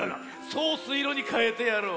ソースいろにかえてやろう。